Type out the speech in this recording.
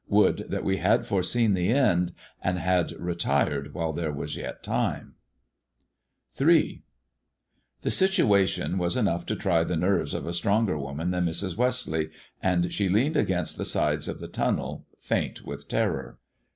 Would that we had foreseen the end, and had retired while there was yet time ! Ill THE situation was enough to try the nerves of a stronger woman than Mrs. Westleigh, and she leaned against the sides of the tunnel faint with terror.